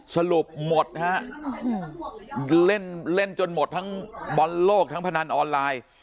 สรุปหมดฮะเล่นจนหมดทั้งบอลโลกทั้งพนันออนไลน์